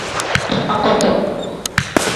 Akoto.